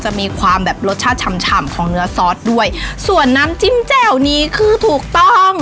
มีความแบบรสชาติฉ่ำของเนื้อซอสด้วยส่วนน้ำจิ้มแจ่วนี้คือถูกต้อง